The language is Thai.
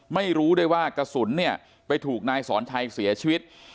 ไม่รู้ด้วยว่ากระสุนเนี่ยไปถูกนายสอนชัยเสียชีวิต